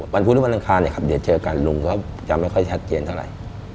พุธหรือวันอังคารเนี่ยครับเดี๋ยวเจอกันลุงก็จะไม่ค่อยชัดเจนเท่าไหร่